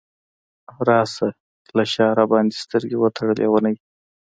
راشه له شاه راباندې سترګې وتړه لیونۍ !